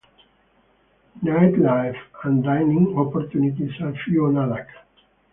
Nightlife and dining opportunities are few on Adak.